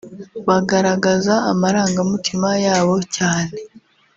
bagaragaza amarangamutima yabo cyane